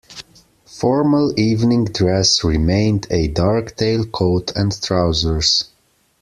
Formal evening dress remained a dark tail coat and trousers.